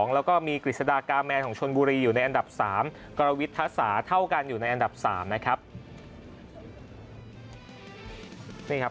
แล้วก็มีกฤษฎากาแมนของชนบุรีอยู่ในอันดับ๓กรวิทธศาเท่ากันอยู่ในอันดับ๓นะครับ